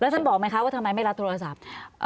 ท่านบอกไหมคะว่าทำไมไม่รับโทรศัพท์